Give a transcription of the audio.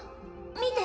見て！